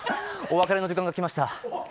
お別れの時間が来ました。